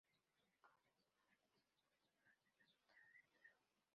La explosión causó dos muertes y dos personas resultaron heridas.